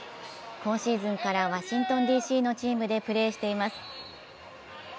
今シーズンからワシントンＤ．Ｃ．のチームでプレーしています。